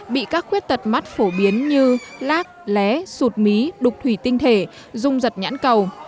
bị các khuyết tật mắt phổ biến như lác lé sụt mí đục thủy tinh thể dung giật nhãn cầu